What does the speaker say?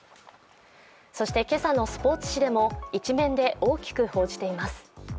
そして今朝のスポーツ紙でも一面で大きく伝えています。